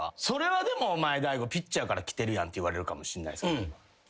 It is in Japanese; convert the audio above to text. それはでもお前ピッチャーからきてるやんって言われるかもしんないっすけど。